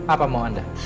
apa mau anda